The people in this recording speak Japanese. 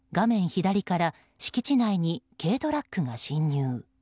左から敷地内に軽トラックが侵入。